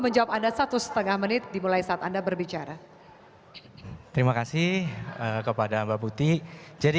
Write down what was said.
menjawab anda satu setengah menit dimulai saat anda berbicara terima kasih kepada mbak putih jadi